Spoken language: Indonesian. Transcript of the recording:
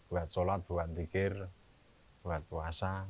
buat sholat buat zikir buat puasa